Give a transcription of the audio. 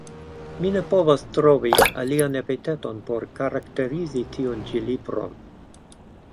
Mi ne povas trovi alian epiteton por karakterizi tiun ĉi libron.